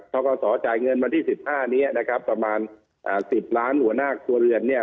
กศจ่ายเงินวันที่๑๕นี้นะครับประมาณ๑๐ล้านหัวหน้าครัวเรือนเนี่ย